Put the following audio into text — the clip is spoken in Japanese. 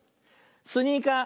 「スニーカー」。